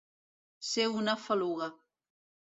Ser una faluga.